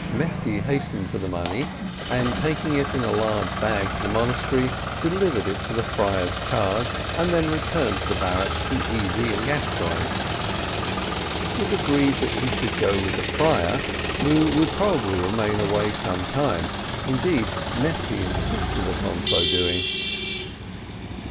Mesty hastened for the money, and taking it in a large bag to the monastery, delivered it to the friar's charge, and then returned to the barracks to Easy and Gascoigne. It was agreed that he should go with the friar, who would probably remain away some time; indeed, Mesty insisted upon so doing.